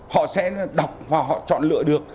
họ sẽ đọc và họ chọn lựa được